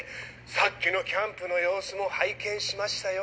さっきのキャンプの様子も拝見しましたよ。